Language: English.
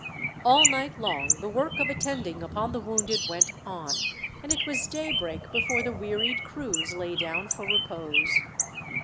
All night long the work of attending upon the wounded went on, and it was daybreak before the wearied crews lay down for repose.